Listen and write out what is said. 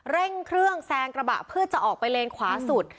เร่งเครื่องแซงกระบะเพื่อจะออกไปเลนขวาสุด